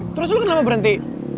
terus lu kenapa berhenti